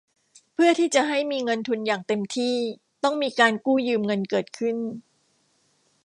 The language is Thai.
เพื่อที่จะให้มีเงินทุนอย่างเต็มที่ ต้องมีการกู้ยืมเงินเกิดขึ้น